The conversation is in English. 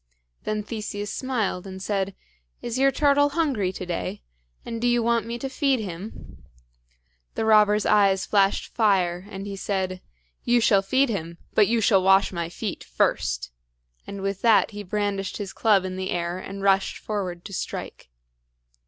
Then Theseus smiled, and said: "Is your turtle hungry to day? and do you want me to feed him?" The robber's eyes flashed fire, and he said, "You shall feed him, but you shall wash my feet first;" and with that he brandished his club in the air and rushed forward to strike.